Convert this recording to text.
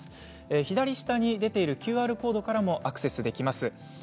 左下に出ているＱＲコードからもアクセスできます。